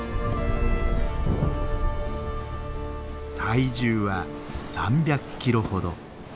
体重は３００キロほど。